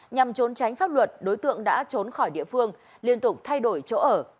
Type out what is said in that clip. nhằm trốn tránh pháp luật đối tượng đã trốn khỏi địa phương liên tục thay đổi chỗ ở